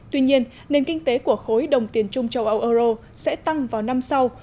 tuy nhiên nền kinh tế của khối đồng tiền chung châu âu euro sẽ tăng vào năm sau